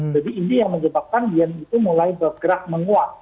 jadi ini yang menyebabkan yen itu mulai bergerak menguat